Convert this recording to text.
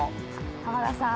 浜田さん。